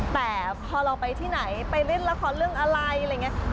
แต่พอเราไปที่ไหนไปเล่นละครเรื่องอะไรอะไรอย่างนี้